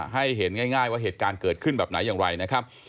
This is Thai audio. ให้เห็นง่ายว่าเหตุการณ์เกิดขึ้นแบบไหนอย่างไรนะครับ